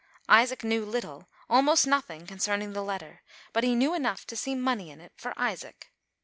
Isaac knew little, almost nothing, concerning the letter, but he knew enough to see money in it for Isaac.